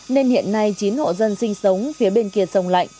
nên hiện nay chín hộ dân sinh sống phía bên kia sông lạnh